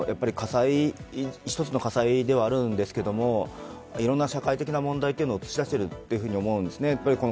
一つの火災ではあるんですけれどもいろんな社会的な問題というのを映し出していると思うんです。